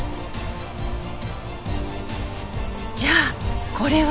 じゃあこれは。